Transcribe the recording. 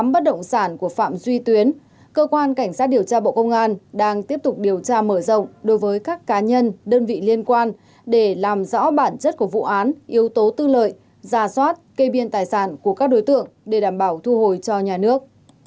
bắt động sản của phạm duy tuyến cơ quan cảnh sát điều tra bộ công an đang tiếp tục điều tra mở rộng đối với các cá nhân đơn vị liên quan để làm rõ bản chất của vụ án yếu tố tư lợi ra soát kê biên tài sản của các đối tượng để đảm bảo thu hồi cho nhà nước